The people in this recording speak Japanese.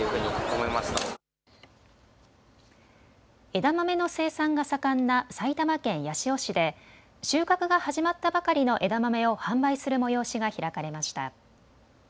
枝豆の生産が盛んな埼玉県八潮市で収穫が始まったばかりの枝豆を販売する催しが開かれました。